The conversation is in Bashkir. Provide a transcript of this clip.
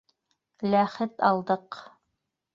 Ләхет алдыҡ.